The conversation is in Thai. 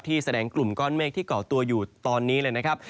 แสดงกลุ่มก้อนเมฆที่เกาะตัวอยู่ตอนนี้เลยนะครับ